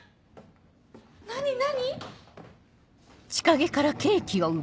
何何？